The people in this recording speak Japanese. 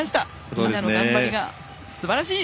みんなの頑張りがすばらしい！